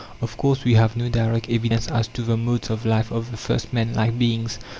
Of course, we have no direct evidence as to the modes of life of the first man like beings.